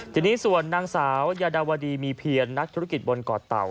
ทีนี้ส่วนนางสาวยาดาวดีมีเพียรนักธุรกิจบนเกาะเต่า